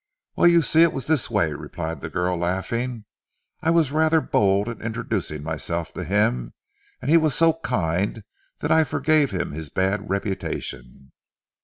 "Well you see it was this way," replied the girl laughing. "I was rather bold in introducing myself to him, and he was so kind that I forgave him his bad reputation."